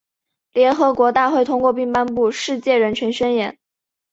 联合国大会通过并颁布《世界人权宣言》。